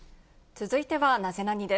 続いてはナゼナニっ？